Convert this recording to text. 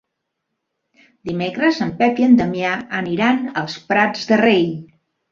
Dimecres en Pep i en Damià aniran als Prats de Rei.